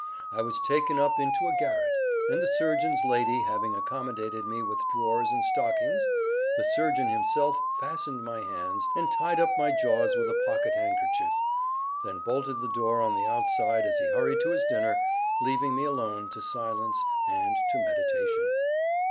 I was taken up into a garret; and the surgeon's lady having accommodated me with drawers and stockings, the surgeon himself fastened my hands, and tied up my jaws with a pocket handkerchief—then bolted the door on the outside as he hurried to his dinner, leaving me alone to silence and to meditation.